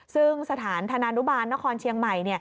ซึ่งสถานธนานุบาลนครเชียงใหม่